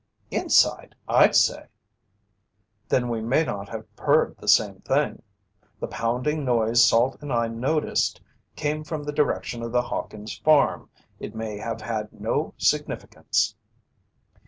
"Inside, I'd say." "Then we may not have heard the same thing. The pounding noise Salt and I noticed, came from the direction of the Hawkins' farm. It may have had no significance."